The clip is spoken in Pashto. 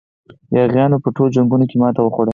یاغیانو په ټولو جنګونو کې ماته وخوړه.